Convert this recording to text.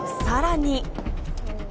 さらに。